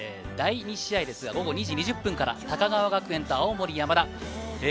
第２試合ですが、午後２時２０分から高川学園と青森山田。